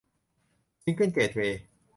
ซิงเกิ้ลเกตเวย์